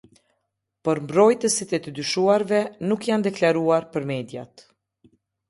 Por mbrojtësit e të dyshuarve nuk janë deklaruar për mediat.